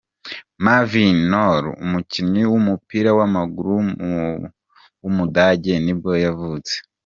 Marvin Knoll, umukinnyi w’umupira w’amaguru w’umudage nibwo yavutse.